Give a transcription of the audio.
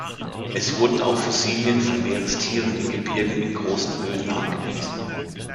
Es wurden auch Fossilien von Meerestieren in Gebirgen in großen Höhen nachgewiesen.